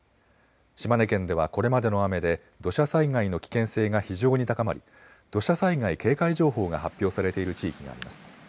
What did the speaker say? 島根県ではこれまでの雨で土砂災害の危険性が非常に高まり土砂災害警戒情報が発表されている地域があります。